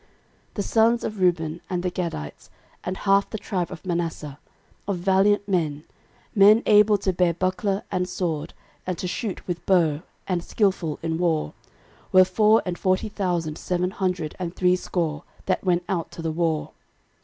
13:005:018 The sons of Reuben, and the Gadites, and half the tribe of Manasseh, of valiant men, men able to bear buckler and sword, and to shoot with bow, and skilful in war, were four and forty thousand seven hundred and threescore, that went out to the war.